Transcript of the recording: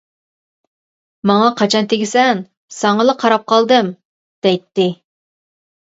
«ماڭا قاچان تېگىسەن، ساڭىلا قاراپ قالدىم» دەيتتى.